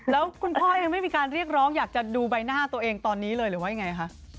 แล้วคุณพ่อยังไม่มีการเรียกร้องอยากจะดูใบหน้าตัวเองตอนนี้เลยหรือว่ายังไงคะ